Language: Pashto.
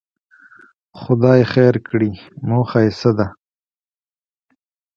خدای خیر کړي، موخه یې څه ده.